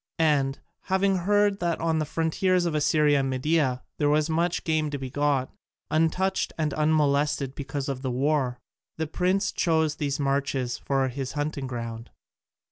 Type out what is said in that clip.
And, having heard that on the frontiers of Assyria and Media there was much game to be got, untouched and unmolested because of the war, the prince chose these marches for his hunting ground.